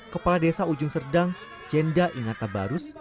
kepala desa ujung serdang jenda ingata barus